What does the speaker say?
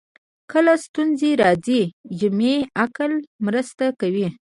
کله ستونزې راځي جمعي عقل مرسته کوي